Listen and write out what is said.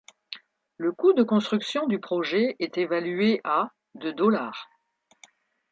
Le coût de construction du projet est évalué à de dollars.